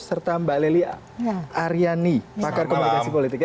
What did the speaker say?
serta mbak leli aryani pakar komunikasi politik